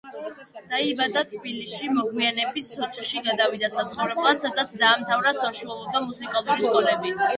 დაიბადა თბილისში, მოგვიანებით სოჭში გადავიდა საცხოვრებლად, სადაც დაამთავრა საშუალო და მუსიკალური სკოლები.